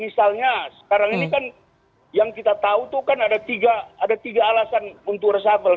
misalnya sekarang ini kan yang kita tahu tuh kan ada tiga alasan untuk resapel